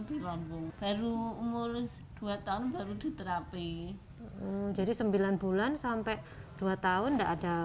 di lambung baru umur dua tahun baru diterapi jadi sembilan bulan sampai dua tahun enggak ada